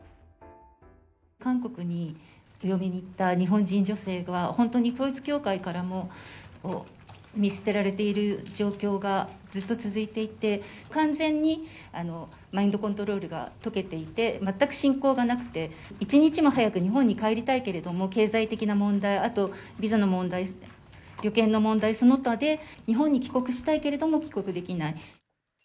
韓国にお嫁に行った日本人女性は、本当に統一教会からも見捨てられている状況がずっと続いていて、完全にマインドコントロールが解けていて、全く信仰がなくて、一日も早く日本に帰りたいけれども、経済的な問題、あとビザの問題、旅券の問題その他で、日本に帰国したいけれども帰国できない。